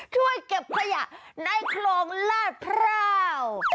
ช่วยเก็บขยะในคลองลาดพร้าว